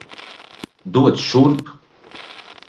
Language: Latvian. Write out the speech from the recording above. Dod šurp!